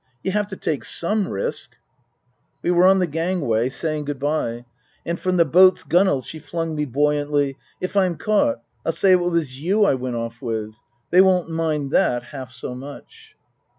" You have to take some risk !" We were on the gangway, saying good bye. And from the boat's gunwale she flung me buoyantly, " If I'm caught I'll say it was you I went off with. They won't mind that half so much."